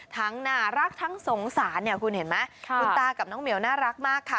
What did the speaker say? น่ารักทั้งสงสารเนี่ยคุณเห็นไหมคุณตากับน้องเหมียวน่ารักมากค่ะ